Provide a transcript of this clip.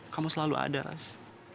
kamu selalu ada ras